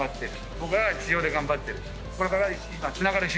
僕らは地上で頑張ってる。